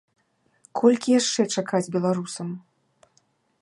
Колькі яшчэ чакаць беларусам?